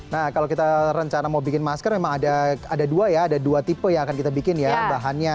nah kalau kita rencana mau bikin masker memang ada dua ya ada dua tipe yang akan kita bikin ya bahannya